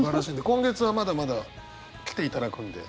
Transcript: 今月はまだまだ来ていただくんで。